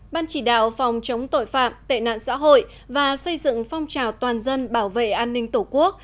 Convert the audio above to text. ban chỉ đạo phòng chống tội phạm tệ nạn xã hội và xây dựng phong trào toàn dân bảo vệ an ninh tổ quốc